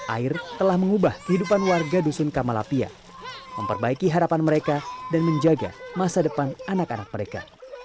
air telah mengubah kehidupan warga dusun kamalapia memperbaiki harapan mereka dan menjaga masa depan anak anak mereka